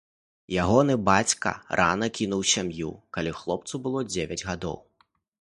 Ягоны бацька рана кінуў сям'ю, калі хлопцу было дзевяць гадоў.